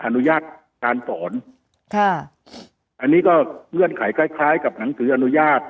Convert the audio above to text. อนุญาตการสอนค่ะอันนี้ก็เงื่อนไขคล้ายคล้ายกับหนังสืออนุญาต